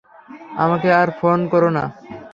আমাকে আর ফোন কোরো না।